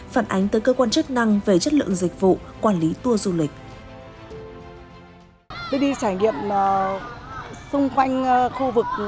phản ánh tới cơ quan chức năng về chất lượng dịch vụ quản lý tour du lịch